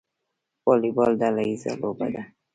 والیبال ډله ییزه لوبه ده